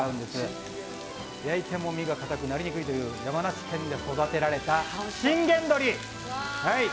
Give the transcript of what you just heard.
焼いても身が硬くなりにくいという山梨県で育てられた信玄どり！